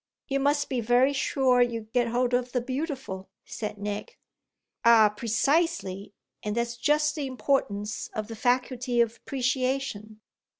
"You must be very sure you get hold of the beautiful," said Nick. "Ah precisely, and that's just the importance of the faculty of appreciation.